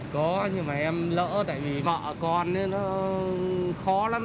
có nhưng mà em lỡ tại vì vợ con ấy nó khó lắm